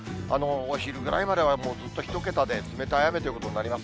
お昼ぐらいまでは、ずっと１桁で冷たい雨ということになります。